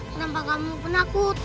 kenapa kamu penakut